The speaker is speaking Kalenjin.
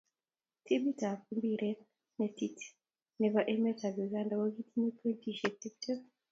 Timitab impiretab netit nebo emetab Uganda kokitinyei pointisyek tiptem.